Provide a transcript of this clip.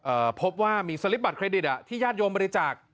พบว่ามีสลิปบัตเครดิตอ่ะที่ญาติโยมบริจาค